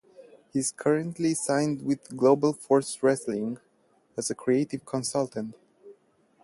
He is currently signed with Global Force Wrestling, as a creative consultant.